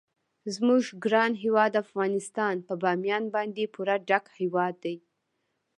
زموږ ګران هیواد افغانستان په بامیان باندې پوره ډک هیواد دی.